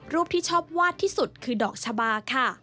ที่ชอบวาดที่สุดคือดอกชะบาค่ะ